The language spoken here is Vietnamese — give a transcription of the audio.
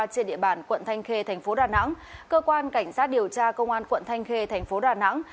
trên địa bàn quận thanh khê thành phố đà nẵng cơ quan cảnh sát điều tra công an quận thanh khê thành phố đà nẵng